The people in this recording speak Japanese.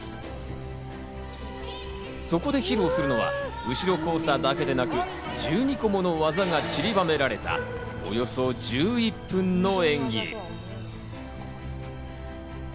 そこで披露するのは後ろ交差だけでなく、１２個もの技がちりばめられた、およそ１１分の演技。